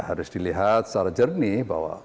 harus dilihat secara jernih bahwa